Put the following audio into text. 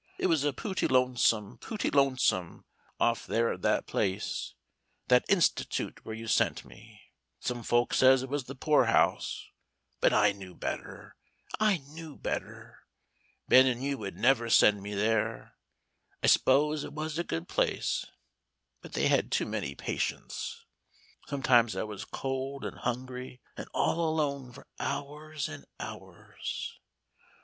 It was pooty lonesome pooty lonesome, off there at that place that Institute where you sent me. Some folks said it was the Poor House, but I knew better I knew better. Ben and you would never send me there. I s'pose it was a good place, but they had too many patients. Sometimes I was cold and hungry and all alone for hours and hours.